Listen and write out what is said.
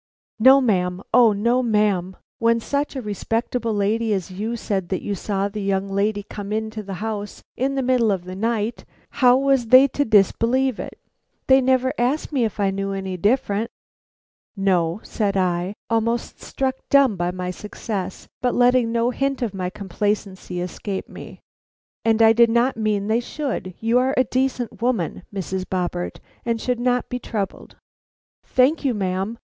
"No, ma'am, O no, ma'am. When such a respectable lady as you said that you saw the young lady come into the house in the middle of the night, how was they to disbelieve it. They never asked me if I knew any different." "No," said I, almost struck dumb by my success, but letting no hint of my complacency escape me. "And I did not mean they should. You are a decent woman, Mrs. Boppert, and should not be troubled." "Thank you, ma'am.